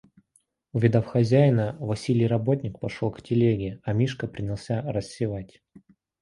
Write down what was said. Увидав хозяина, Василий работник пошел к телеге, а Мишка принялся рассевать.